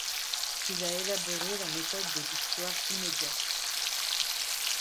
Il a élaboré la méthode de l’histoire immédiate.